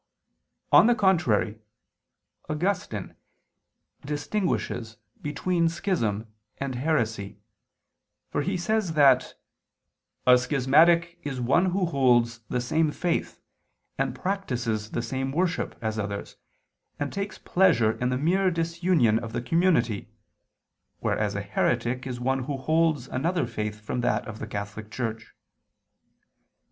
On the contrary, Augustine (Contra Faust. xx, 3; Contra Crescon. ii, 4) distinguishes between schism and heresy, for he says that a "schismatic is one who holds the same faith, and practises the same worship, as others, and takes pleasure in the mere disunion of the community, whereas a heretic is one who holds another faith from that of the Catholic Church."